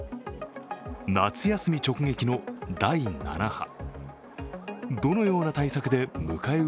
夏休み直撃の第７波。